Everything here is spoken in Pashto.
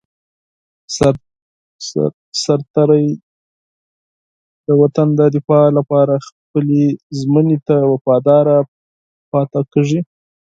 سرتېری د وطن د دفاع لپاره خپلې ژمنې ته وفادار پاتې کېږي.